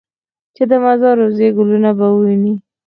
چې د مزار د روضې ګلونه به ووینې.